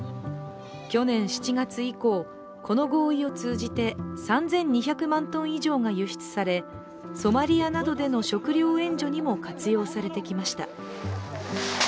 去年７月以降、この合意を通じて３２００万ｔ以上が輸出され、ソマリアなどでの食料援助にも活用されてきました。